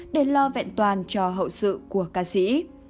để lo vẹn toàn cho hậu sự của ca sĩ